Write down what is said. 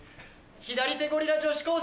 左手ゴリラ女子高生